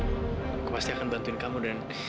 aku pasti akan bantuin kamu dan